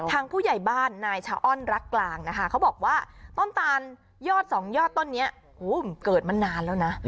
ผู้ใหญ่บ้านนายชะอ้อนรักกลางนะคะเขาบอกว่าต้นตาลยอดสองยอดต้นนี้เกิดมานานแล้วนะ